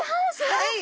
はい！